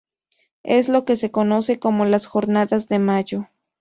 Es lo que se conoce como las Jornadas de Mayo.